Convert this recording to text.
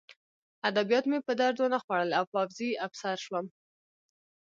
ادبیات مې په درد ونه خوړل او پوځي افسر شوم